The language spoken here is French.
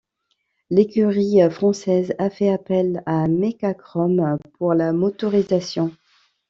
L'écurie française a fait appel à Mecachrome pour la motorisation.